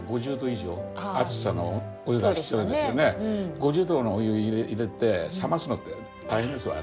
５０℃のお湯入れて冷ますのって大変ですわね。